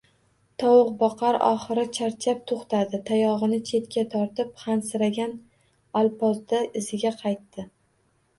Tovuqboqar oxiri charchab to‘xtadi, tayog‘ini chetga otib, hansiragan alpozda iziga qaytdi